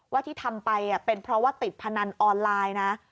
ที่ทำไปเป็นเพราะว่าติดพนันออนไลน์นะ